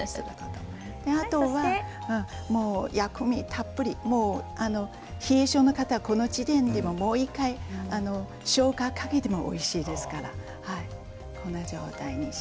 あと薬味たっぷり、冷え性の方この時点でもう１回しょうがをかけてもおいしいですから。